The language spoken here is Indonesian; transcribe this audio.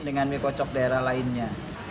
dengan mie kocok daerah lainnya